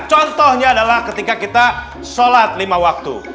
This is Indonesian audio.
contohnya adalah ketika kita sholat lima waktu